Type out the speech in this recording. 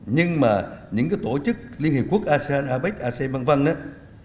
nhưng mà những tổ chức liên hiệp quốc asean apec asean v v